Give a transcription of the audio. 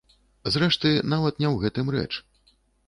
Зрэшты, нават не ў гэтым рэч.